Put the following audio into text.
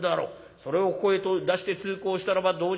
それをここへ出して通行したらばどうじゃろけ」。